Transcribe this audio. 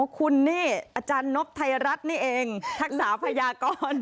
คุณนี่อาจารย์นบไทยรัฐนี่เองทักษะพยากร